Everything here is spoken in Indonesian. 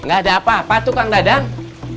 gak ada apa apa tuh kang dadang